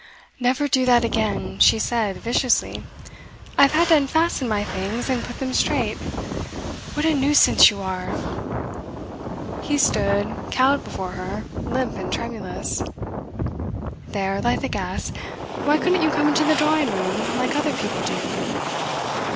'Never do that again,' she said viciously. 'I've had to unfasten my things, and put them straight. What a nuisance you are!' He stood cowed before her, limp and tremulous. 'There, light the gas. Why couldn't you come into the drawing room, like other people do?